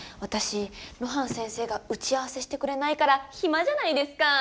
露伴先生が打ち合わせしてくれないからヒマじゃないですかー。